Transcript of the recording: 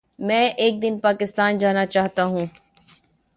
میں ایک دن پاکستان جانا چاہتاہوں